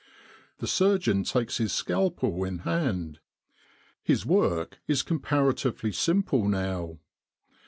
The surgeon takes his scalpel in hand. His work is comparatively simple now.